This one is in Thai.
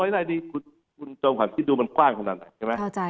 ๓๐๐ไร่นี่คุณจองขวัญคิดดูมันกว้างขนาดไหนเข้าใจค่ะ